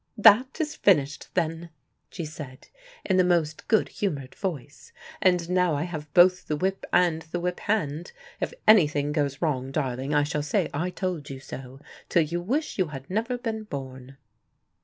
"That is finished, then," she said in the most good humored voice. "And now I have both the whip and the whip hand. If anything goes wrong, darling, I shall say 'I told you so,' till you wish you had never been born."